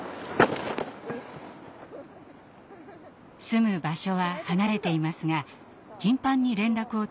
住む場所は離れていますが頻繁に連絡を取り合い